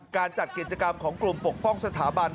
การจัดกิจกรรมของกลุ่มปกป้องสถาบัน